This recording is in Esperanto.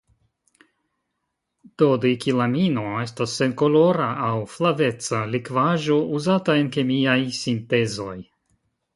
Dodekilamino estas senkolora aŭ flaveca likvaĵo uzata en kemiaj sintezoj.